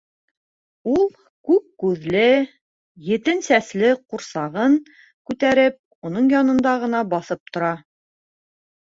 Ул, күк күҙле, етен сәсле ҡурсағын күтәреп, уның янында ғына баҫып тора.